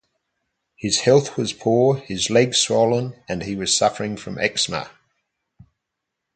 His health was poor, his legs swollen, and he was suffering from eczema.